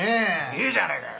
いいじゃねえかよ